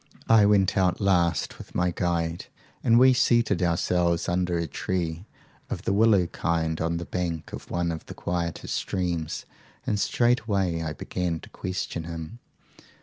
"'I went out last with my guide, and we seated ourselves under a tree of the willow kind on the bank of one of the quieter streams, and straightway I began to question him.